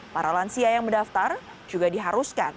para lansia yang mendaftar juga diharuskan